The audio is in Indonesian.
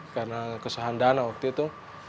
karena kesehendana waktu itu